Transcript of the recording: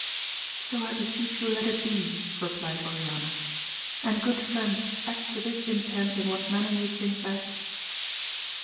So I beseech you let it be, replied Oriana ; and good friend act to this intent in what manner you think best.